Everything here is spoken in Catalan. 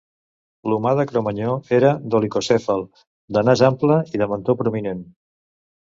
L'humà de Cromanyó era dolicocèfal, de nas ample i de mentó prominent.